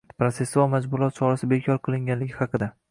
protsessual majburlov chorasi bekor qilinganligi haqida